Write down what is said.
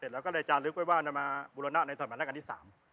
แล้วก็เลยจารย์ลึกไว้ว่ามาบุรณะในสมัยรักกันที่๓